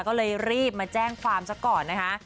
ก็เลยรีบมาแจ้งความซะก่อนนะคะ